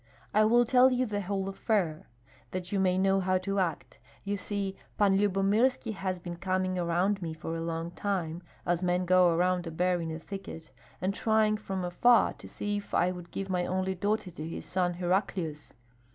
I will tell you the whole affair, that you may know how to act. You see Pan Lyubomirski has been coming around me for a long time, as men go around a bear in a thicket, and trying from afar to see if I would give my only daughter to his son Heraclius.